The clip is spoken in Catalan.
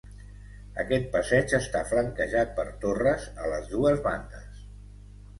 Aquest passeig està flanquejat per torres a les dues bandes.